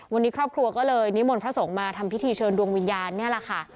วันนี้ครอบครัวก็เลยนิมนต์พระสงฆ์มาทำพิธีเชิญดวงวิญญาณนี่แหละค่ะ